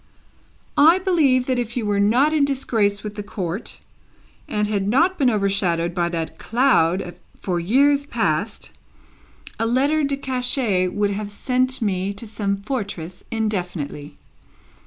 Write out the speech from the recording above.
"I believe that if you were not in disgrace with the Court, and had not been overshadowed by that cloud for years past, a letter de cachet would have sent me to some fortress indefinitely."